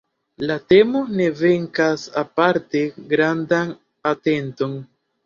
La temo ne vekas aparte grandan atenton.